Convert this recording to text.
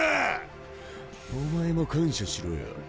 お前も感謝しろよ。